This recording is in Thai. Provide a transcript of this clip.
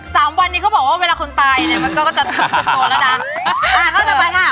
สามวันนี้เขาบอกว่าเวลาคนตายมันก็จะทำสุดตัวแล้วนะ